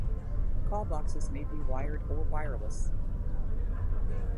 Call boxes may be wired or wireless.